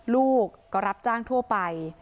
ลูกก็รับจ้างทั่วไป